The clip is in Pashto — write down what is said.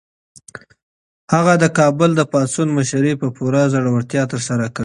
هغه د کابل د پاڅون مشري په پوره زړورتیا ترسره کړه.